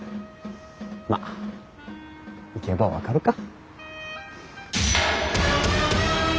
まっ行けば分かるか！